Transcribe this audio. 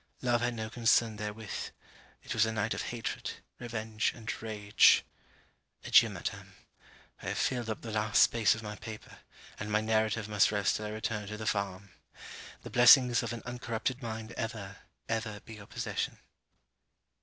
Love had no concern therewith. It was a night of hatred, revenge and rage. Adieu, Madam. I have filled up the last space of my paper, and my narrative must rest till I return to the farm. The blessings of an uncorrupted mind ever, ever, be your possession.